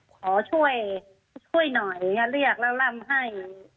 ขอช่วยช่วยหน่อยเรียกแล้วร่ำให้